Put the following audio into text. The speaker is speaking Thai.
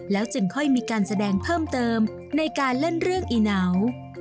จึงค่อยมีการแสดงเพิ่มเติมในการเล่นเรื่องอีเหนา